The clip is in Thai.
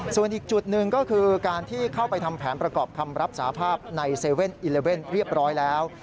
ส่วนอีกจุดหนึ่งก็คือการที่เข้าไปทำแผนประกอบคำรับสาภาพใน๗๑๑เรียบร้อยแล้ว